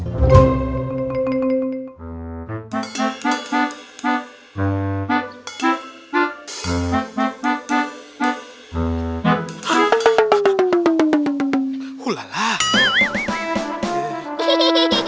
pak ustadz takut